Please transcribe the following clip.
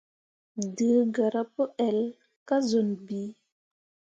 Dǝǝ garah pu ell kah zun bii.